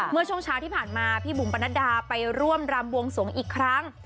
เมื่อช่วงเช้าที่ผ่านมาพี่บุ๋มปนัดดาไปร่วมรำบวงสวงอีกครั้ง